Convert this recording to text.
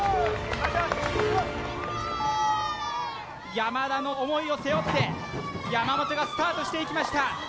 山田の思いを背負って山本がスタートしていきました